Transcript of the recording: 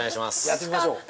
◆やってみましょう。